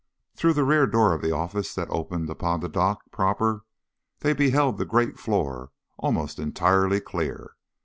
Through the rear door of the office that opened upon the dock proper they beheld the great floor almost entirely clear.